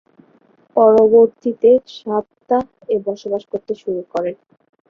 পরবর্তীতে 'সাবতাহ'-এ বসবাস করতে শুরু করেন।